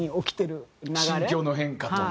心境の変化という。